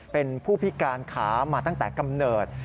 เป็นผู้พิการขามาตั้งแต่กำเนิด